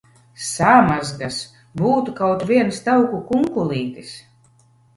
Samazgas! Būtu kaut viens tauku kunkulītis!